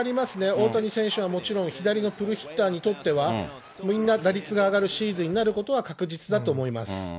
大谷選手はもちろん、左のフルヒッターにとっては、みんな打率が上がるシーズンになることは確実だと思います。